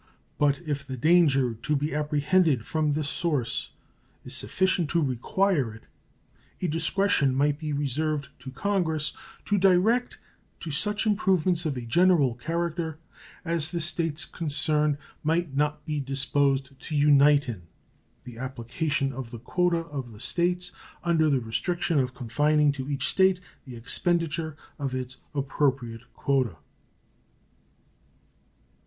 But if the danger to be apprehended from this source is sufficient to require it, a discretion might be reserved to Congress to direct to such improvements of a general character as the States concerned might not be disposed to unite in, the application of the quotas of those States, under the restriction of confining to each State the expenditure of its appropriate quota.